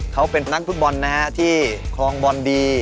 เขาเป็นนักฟุตบอลนะฮะที่คลองบอลดี